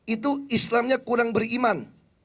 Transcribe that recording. itu islamnya kurang beriman